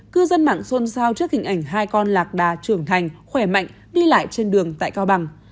cư dân mạng xôn xao trước hình ảnh hai con lạc đà trưởng thành khỏe mạnh đi lại trên đường tại cao bằng